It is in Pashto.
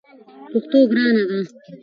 پښتو ګرانه ده!